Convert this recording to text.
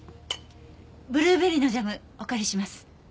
ブルーベリーのジャムお借りします。